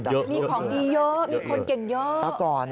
มีของดีเยอะมีคนเก่งเยอะ